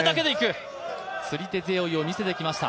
釣り手背負いを見せてきました。